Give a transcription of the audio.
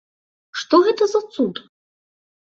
Што гэта за цуд?